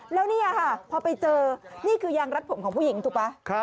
แล้วนี้คือยางรัดผมของผู้หญิงถูกปะ